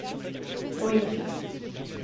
—Oui, monsieur.